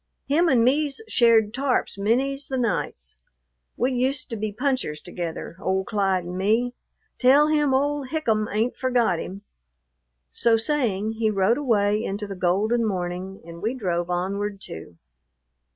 Him and me's shared tarps many's the nights. We used to be punchers together, old Clyde and me. Tell him old Hikum ain't forgot him." So saying, he rode away into the golden morning, and we drove onward, too.